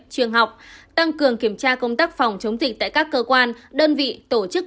trường học tăng cường kiểm tra công tác phòng chống dịch tại các cơ quan đơn vị tổ chức